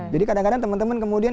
jadi kadang kadang teman teman kemudian